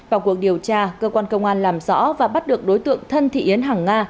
vào cuộc điều tra cơ quan công an làm rõ và bắt được đối tượng thân thị yến hàng nga